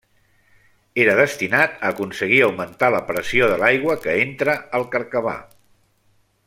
Era destinat a aconseguir augmentar la pressió de l'aigua que entra al carcabà.